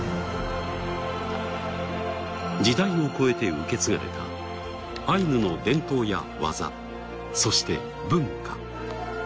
時代を超えて受け継がれたアイヌの伝統や技そして文化。